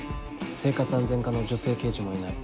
生活安全課の女性刑事もいない。